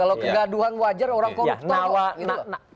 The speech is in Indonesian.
kalau kegaduhan wajar orang koruptor